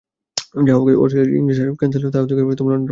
যাহা হউক, অস্ট্রিয়ার ইংরেজ কন্সাল তাহাদিগকে লণ্ডনে পাঠাইয়া দিলেন।